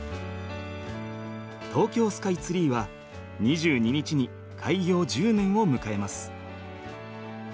東京スカイツリーは２２日に開業１０年を迎えます。